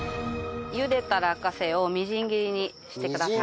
茹でた落花生をみじん切りにしてください。